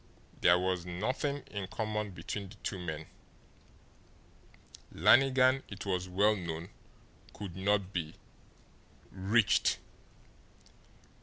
There was nothing in common between the two men. Lannigan, it was well known, could not be "reached."